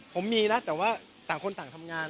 ผมมีนะแต่ว่าต่างคนต่างทำงาน